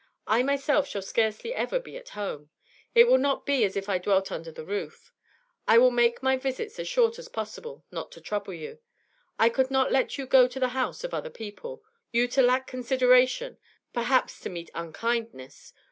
I myself shall scarcely ever be at home; it will not be as if I dwelt under the roof; I will make my visits as short as possible, not to trouble you. I could not let you go to the house of other people you to lack consideration, perhaps to meet unkindness!